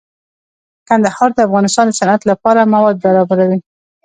کندهار د افغانستان د صنعت لپاره مواد برابروي.